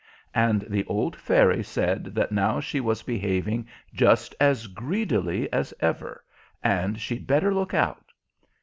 and the old Fairy said that now she was behaving just as greedily as ever, and she'd better look out.